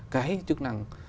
cái chức năng